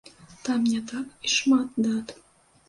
Там не так і шмат дат.